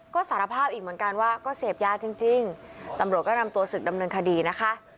ก็สารภาพอีกเหมือนกันว่าก็เสพยาจริงตำรวจก็นำตัวศึกดำเนินคดีนะคะ